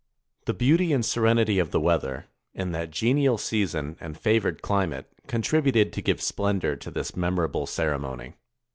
The beauty and serenity of the weather, in that genial season and favored chmate, contributed to give splendor to this memorable ceremony.